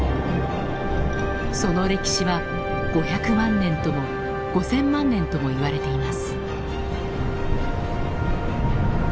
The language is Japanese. その歴史は５００万年とも５，０００万年ともいわれています。